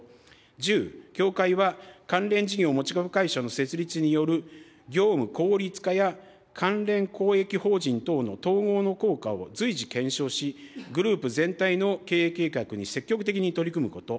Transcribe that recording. １０、協会は関連事業持ち株会社の設立による業務効率化や関連公益法人等の統合の効果を随時検証し、グループ全体の経営計画に積極的に取り組むこと。